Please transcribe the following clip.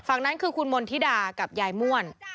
ฝั่งนั้นคือคุณมณฑิดากับยายม่วน